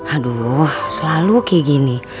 aduh selalu kayak gini